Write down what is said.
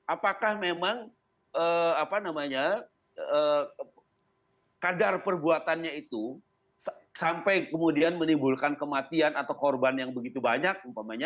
apakah memang kadar perbuatannya itu sampai kemudian menimbulkan kematian atau korban yang begitu banyak